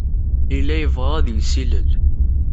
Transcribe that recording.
Yella yebɣa ad yessilel.